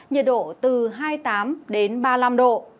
nhiệt độ từ hai mươi tám đến ba mươi năm độ